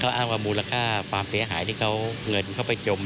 อ้างว่ามูลค่าความเสียหายที่เขาเงินเขาไปจม